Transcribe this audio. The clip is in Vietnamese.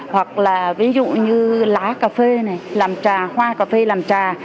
hoặc là ví dụ như lá cà phê này làm trà hoa cà phê làm trà